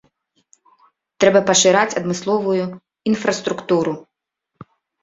Трэба пашыраць адмысловую інфраструктуру.